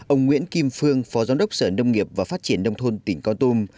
ông nguyễn kim phương phó giám đốc sở nông nghiệp và phát triển nông thôn tỉnh con tum